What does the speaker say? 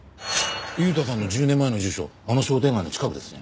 悠太さんの１０年前の住所あの商店街の近くですね。